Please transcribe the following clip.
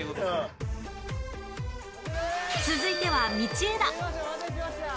続いては道枝